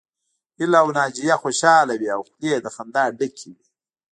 هيله او ناجيه خوشحاله وې او خولې يې له خندا ډکې وې